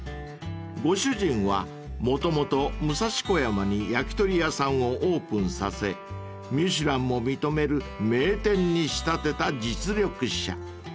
［ご主人はもともと武蔵小山に焼き鳥屋さんをオープンさせミシュランも認める名店に仕立てた実力者］